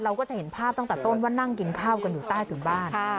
เราก็จะเห็นภาพตั้งแต่ต้นว่านั่งกินข้าวกันอยู่ใต้ถุนบ้าน